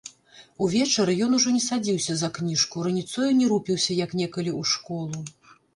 Увечары ён ужо не садзіўся за кніжку, раніцою не рупіўся, як некалі, у школу.